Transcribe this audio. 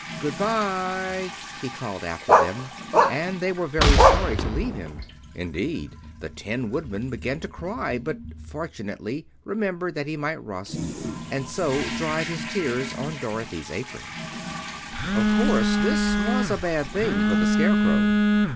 "Good bye!" he called after them, and they were very sorry to leave him. Indeed, the Tin Woodman began to cry, but fortunately remembered that he might rust, and so dried his tears on Dorothy's apron. Of course this was a bad thing for the Scarecrow.